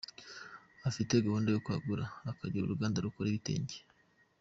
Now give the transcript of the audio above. Afite gahunda yo kwagura, akagira uruganda rukora ibitenge.